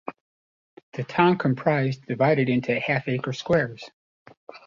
The town comprised divided into half-acre squares.